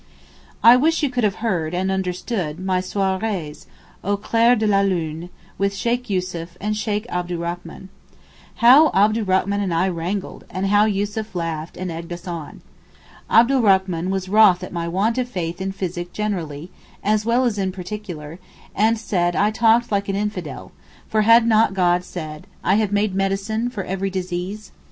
I wish you could have heard (and understood) my soirées, au clair de la lune, with Sheykh Yussuf and Sheykh Abdurrachman. How Abdurrachman and I wrangled, and how Yussuf laughed, and egged us on. Abdurrachman was wroth at my want of faith in physic generally, as well as in particular, and said I talked like an infidel, for had not God said, 'I have made a medicine for every disease?